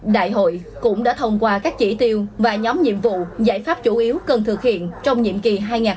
đại hội cũng đã thông qua các chỉ tiêu và nhóm nhiệm vụ giải pháp chủ yếu cần thực hiện trong nhiệm kỳ hai nghìn hai mươi hai nghìn hai mươi năm